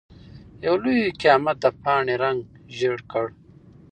يو لوی قيامت د پاڼې رنګ ژېړ کړ.